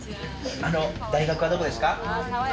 大学はどこですか？